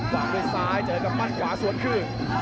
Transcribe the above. วางด้วยซ้ายเจอกับมั่นขวาสวนคืน